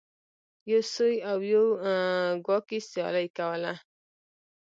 یو سوی او یو کواګې سیالي کوله.